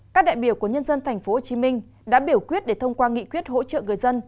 các đại biểu của nhân dân tp hcm đã biểu quyết để thông qua nghị quyết hỗ trợ người dân